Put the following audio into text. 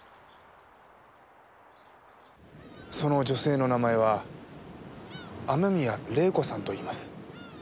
その女性の名前は雨宮怜子さんといいます。